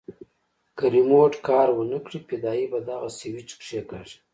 که ريموټ کار ونه کړي فدايي به دغه سوېچ کښېکاږي.